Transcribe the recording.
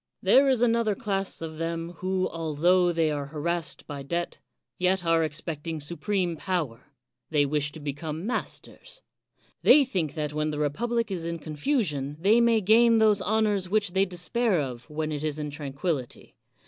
There is another class of them, who, altho they are harassed by debt, yet are expecting su preme power ; they wish to become masters. They think that when the republic is in confusion they may gain those honors which they despair of when it is in tranquillity.